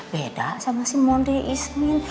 beda sama si model ismin